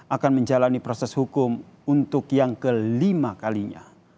akan menjalani proses hukum untuk yang kelima kalinya